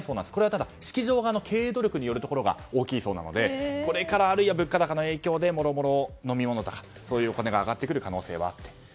ただ式場側の経営努力によるところが大きいそうなのでこれから物価高の影響でもろもろ、飲み物とかそういうお金が上がってくる可能性はあって。